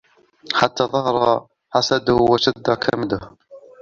حَتَّى ظَهَرَ حَسَدُهُ وَاشْتَدَّ كَمَدُهُ